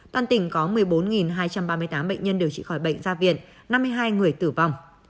toàn tỉnh có một mươi bốn hai trăm ba mươi tám bệnh nhân điều trị khỏi bệnh ra viện năm mươi hai người tử vong